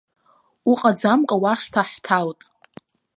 Уҟаӡамкәа уашҭа ҳҭалт!